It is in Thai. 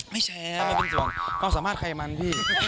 ไม่แชร์ถ้ามันเป็นส่วนกล้องสามารถใครมันพี่